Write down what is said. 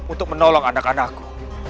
untuk menolong anak anakku